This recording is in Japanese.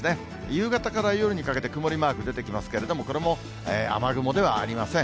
夕方から夜にかけて曇りマーク出てきますけれども、これも雨雲ではありません。